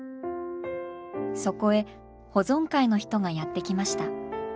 そこへ保存会の人がやって来ました。